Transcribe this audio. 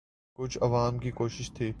کچھ عوام کی کوشش تھی۔